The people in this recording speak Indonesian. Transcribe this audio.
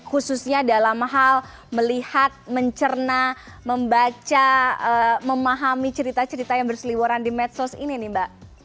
khususnya dalam hal melihat mencerna membaca memahami cerita cerita yang berseliwaran di medsos ini nih mbak